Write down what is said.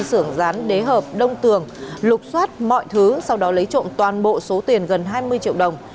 sưởng rán đế hợp đông tường lục xoát mọi thứ sau đó lấy trộm toàn bộ số tiền gần hai mươi triệu đồng